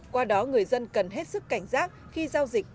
qua đó người dân cần hết sức cảnh giác khi giao dịch